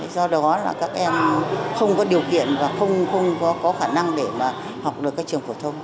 do đó là các em không có điều kiện và không có khả năng để mà học được các trường phổ thông